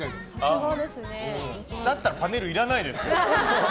だったらパネルいらないです。